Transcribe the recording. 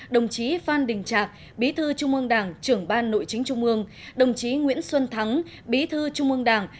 đồng chí phan đình trạc bí thư trung mương đảng trưởng ban nội chính trung mương đồng chí nguyễn xuân thắng bí thư trung mương đảng